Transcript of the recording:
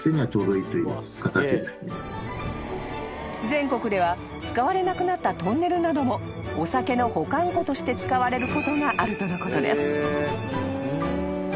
［全国では使われなくなったトンネルなどもお酒の保管庫として使われることがあるとのことです］